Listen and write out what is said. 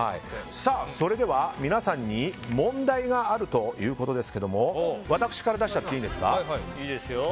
それでは皆さんに問題があるということですが私から出しちゃっていいんですか。